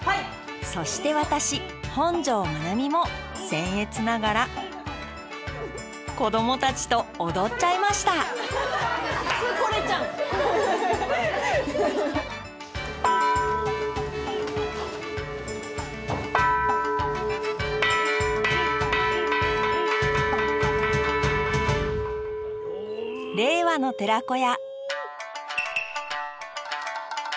そして私本上まなみもせん越ながら子どもたちと踊っちゃいました「令和の寺子屋」